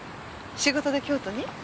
仕事で京都に？